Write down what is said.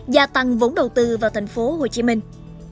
gia tăng vốn đầu tư vào thành phố hồ chí minh